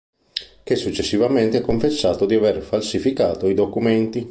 Che successivamente ha confessato di aver falsificato i documenti.